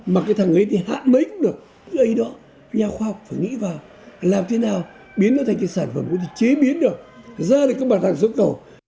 mà cái thằng ấy thì hạ mấy cũng được cái ấy đó nhà khoa học phải nghĩ vào làm thế nào biến nó thành cái sản phẩm có thể chế biến được ra được các bản thân sống cầu